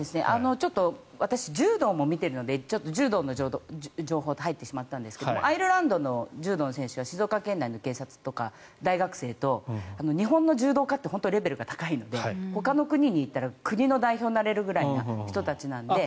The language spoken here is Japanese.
ちょっと私、柔道も見ているので柔道の情報が入ってしまったんですがアイルランドの柔道の選手は清水県内の警察とか大学生と、日本の柔道家ってレベルが高いのでほかの国に行ったら国の代表になれるぐらいな人たちなので。